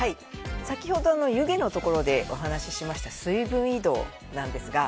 先ほどの湯気のところでお話ししました水分移動なんですが。